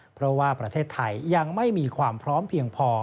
เพราะว่าประเทศไทยยังไม่มีความพร้อมเพียงพอ